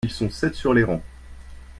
ils sont sept sur les rangs.